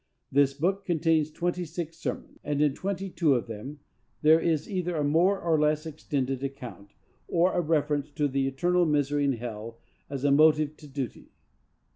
This book contains twenty six sermons, and in twenty two of them there is either a more or less extended account, or a reference to eternal misery in hell as a motive to duty.